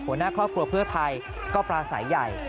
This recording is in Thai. หัวหน้าครอบครัวเพื่อไทยก็ปราศัยใหญ่